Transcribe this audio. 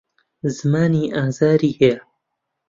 زمانی ئازاری هەیە.